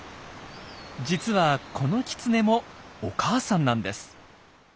実はこのキツネもお母さんなんです。